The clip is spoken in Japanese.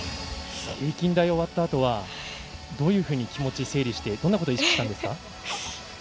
平均台終わったあとはどういうふうに気持ち整理してどんなことを意識したんですか？